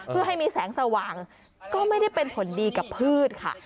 เพื่อให้มีแสงสว่างก็ไม่ได้เป็นผลดีกับพืชค่ะ